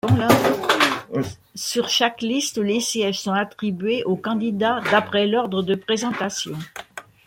Sur chaque liste, les sièges sont attribués aux candidats d'après l'ordre de présentation.